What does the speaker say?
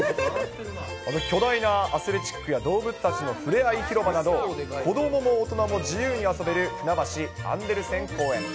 巨大なアスレチックや動物たちのふれあい広場など、子どもも大人も自由に遊べる、ふなばしアンデルセン公園。